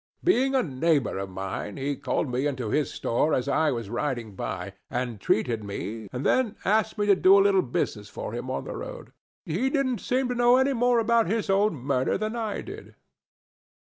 Being a neighbor of mine, he called me into his store as I was riding by, and treated me, and then asked me to do a little business for him on the road. He didn't seem to know any more about his own murder than I did."